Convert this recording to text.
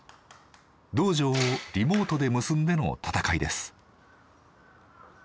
道場をリモートで結んでの戦いです。